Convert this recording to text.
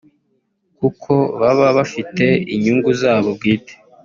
kuko baba bafite inyungu zabo bwite